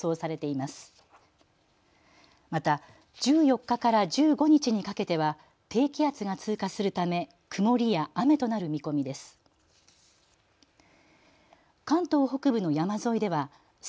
また１４日から１５日にかけては低気圧が通過するため曇りや雨となる見込みです。